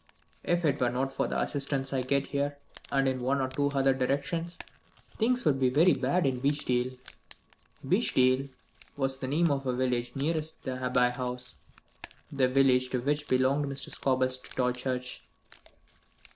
If it were not for the assistance I get here, and in one or two other directions, things would be very bad in Beechdale." Beechdale was the name of the village nearest the Abbey House, the village to which belonged Mr. Scobel's toy church.